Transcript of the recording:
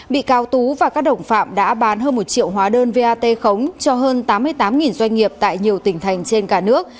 bị cáo tú và các đồng phạm đã bán hơn một triệu hóa đơn vat khống cho hơn tám mươi tám doanh nghiệp tại nhiều tỉnh thành trên cả nước